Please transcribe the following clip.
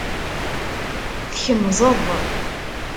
Tkemzeḍ.